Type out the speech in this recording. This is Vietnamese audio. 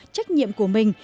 trách nhiệm của mình